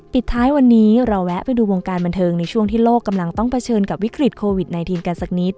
ปิดท้ายวันนี้เราแวะไปดูวงการบันเทิงในช่วงที่โลกกำลังต้องเผชิญกับวิกฤตโควิด๑๙กันสักนิด